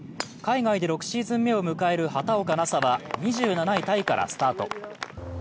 海外で６シーズン目を迎える畑岡奈紗は２７位からスタート。